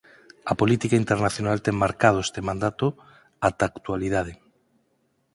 A política internacional ten marcado este mandato ata a actualidade.